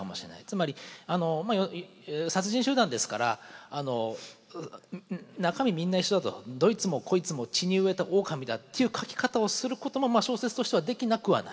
つまり殺人集団ですから中身みんな一緒だと「どいつもこいつも血に飢えたオオカミだ」っていう書き方をすることも小説としてはできなくはない。